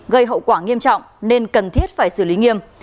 gây hậu quả nghiêm trọng nên cần thiết phải xử lý nghiêm